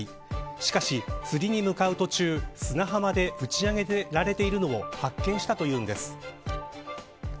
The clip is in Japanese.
しかし、釣りに向かう途中砂浜で、うち上げられているのを発見したというんです。